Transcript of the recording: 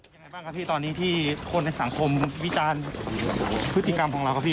ยังไงบ้างครับพี่ตอนนี้ที่คนในสังคมวิจารณ์พฤติกรรมของเราครับพี่